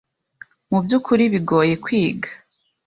mubyukuri bigoye kwiga.